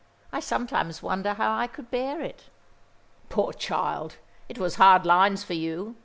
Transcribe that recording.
I sometimes wonder how I could bear it?" "Poor child! It was hard lines for you.